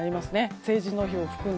成人の日を含んだ。